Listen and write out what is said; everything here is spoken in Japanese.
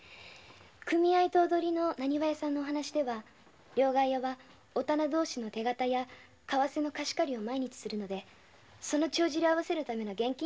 組合頭取の浪花屋さんのお話では両替屋はお店同士の手形や為替の貸し借りを毎日するのでその帳尻を合わせるための現金なんだそうです。